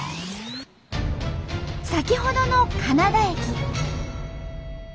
先ほどの金田駅。